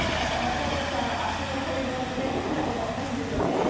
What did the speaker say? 松岡さん足の小指の爪切ったことないんですよね。